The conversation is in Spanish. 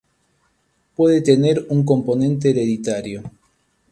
Puede tener un componente hereditario.